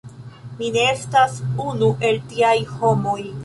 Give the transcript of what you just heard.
Mi ne estas unu el tiaj homoj.